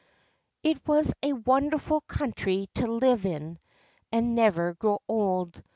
It was a wonderful country to live in and never grow old.